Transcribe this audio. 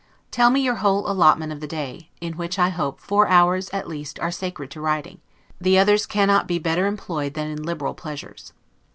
Tell me your whole allotment of the day, in which I hope four hours, at least, are sacred to writing; the others cannot be better employed than in LIBERAL pleasures.